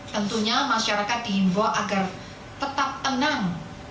tentunya masyarakat dihimbau agar tetap tenang